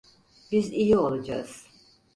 Biz iyi olacağız.